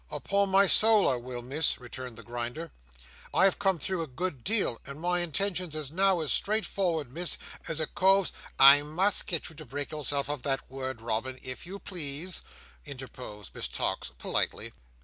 "Upon my soul I will, Miss," returned the Grinder. "I have come through a good deal, and my intentions is now as straightfor'ard, Miss, as a cove's—" "I must get you to break yourself of that word, Robin, if you please," interposed Miss Tox, politely.